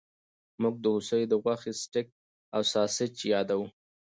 موږ د هوسۍ د غوښې سټیک او ساسج یادوو